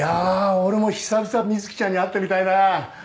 俺も久々瑞貴ちゃんに会ってみたいな